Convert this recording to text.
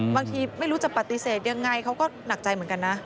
ไม่รู้จะปฏิเสธยังไงเขาก็หนักใจเหมือนกันนะ